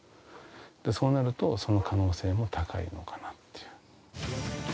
そうなると、その可能性も高いのかなっていう。